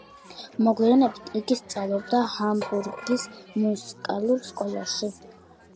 მოგვიანებით იგი სწავლობდა ჰამბურგის მუსიკალურ სკოლაში.